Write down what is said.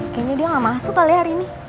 kayaknya dia gak masuk kali ya hari ini